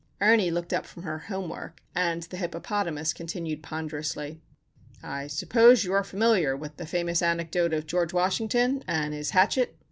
Ernie looked up from her "home work," and the "Hippopotamus" continued ponderously: "I suppose you are familiar with the famous anecdote of George Washington and his hatchet?